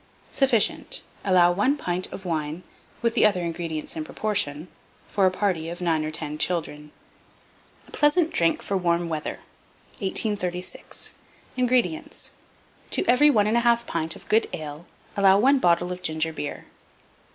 Sufficient Allow 1 pint of wine, with the other ingredients in proportion, for a party of 9 or 10 children. A PLEASANT DRINK FOR WARM WEATHER. 1836. INGREDIENTS. To every 1 1/2 pint of good ale allow 1 bottle of ginger beer.